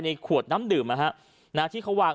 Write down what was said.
ขวดน้ำดื่มที่เขาวาง